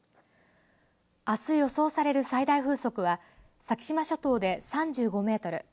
あす予想される最大風速は先島諸島で３５メートル